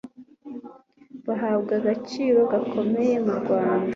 bahabwa agaciro gakomeye murwanda